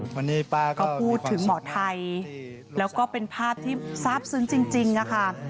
วันนี้ป้าก็พูดถึงหมอไทยแล้วก็เป็นภาพที่ทราบซึ้งจริงค่ะ